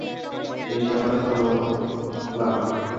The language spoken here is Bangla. বেশ, আমরা চললাম।